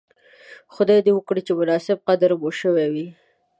خدای دې وکړي چې مناسب قدر مو شوی وی.